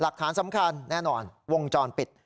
หลักฐานสำคัญแน่นอนวงจรปิด